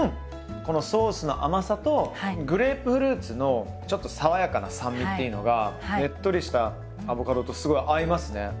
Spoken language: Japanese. このソースの甘さとグレープフルーツのちょっと爽やかな酸味っていうのがネットリしたアボカドとすごい合いますね！